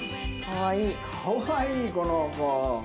かわいいこの子。